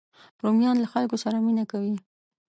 رومیان له خلکو سره مینه کوي